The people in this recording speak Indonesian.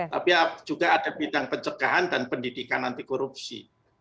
tapi juga ada bidang pencegahan dan pendidikan anti korupsi